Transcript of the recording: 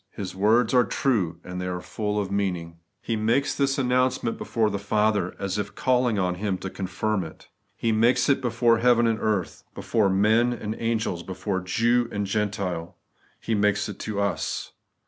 His words are true, and they are full of meaning. He makes this announcement before the Father, as if calling on Him to confirm it. He makes it before heaven and earth, before men and angels, before Jew and Gentile. He makes it to us.